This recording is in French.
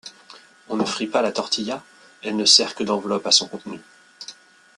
On ne frit pas la tortilla, elle ne sert que d'enveloppe à son contenu.